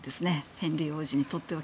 ヘンリー王子にとっては。